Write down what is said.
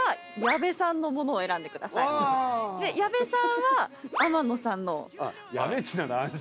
矢部さんは天野さんのを。やべっちなら安心だ。